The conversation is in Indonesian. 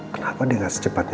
kenapa dia gak secepatnya